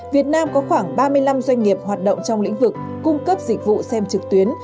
việt nam có khoảng ba mươi năm doanh nghiệp hoạt động trong lĩnh vực cung cấp dịch vụ xem trực tuyến